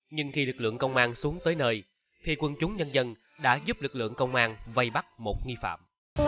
nhưng khi lực lượng công an xuống tới nơi thì quân chúng nhân dân đã giúp lực lượng công an vây bắt một nghi phạm